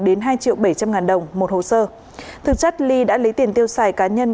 đến hai triệu bảy trăm linh ngàn đồng một hồ sơ thực chất ly đã lấy tiền tiêu xài cá nhân